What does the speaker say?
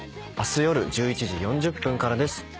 明日夜１１時４０分からです。